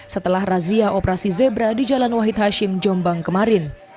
setelah razia operasi zebra di jalan wahid hashim jombang kemarin